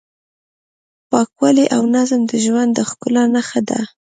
پاکوالی او نظم د ژوند د ښکلا نښه ده.